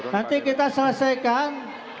nanti kita selesaikan